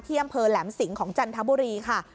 เที่ยมเพอแหลมสิงของจันทบุรีค่ะ